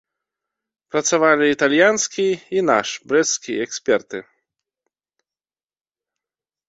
Працавалі італьянскі і наш брэсцкі эксперты.